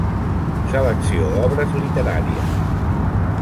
Selecció d'obres literària.